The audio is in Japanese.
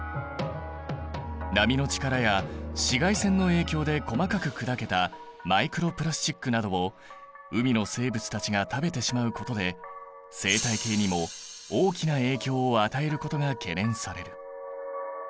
波の力や紫外線の影響で細かく砕けたマイクロプラスチックなどを海の生物たちが食べてしまうことで生態系にも大きな影響を与えることが懸念される。